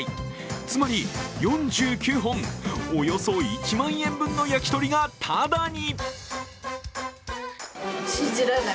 つまり４９本、およそ１万円分の焼き鳥がタダに。